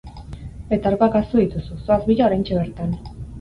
Betaurrekoak ahaztu dituzu, zoaz bila oraintxe bertan!